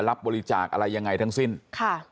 รับบริจาคอะไรยังไงทั้งสิ้นค่ะ